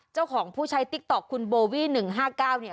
เจ้าของผู้ใช้ติ๊กต๊อกคุณโบวี่๑๕๙เนี่ย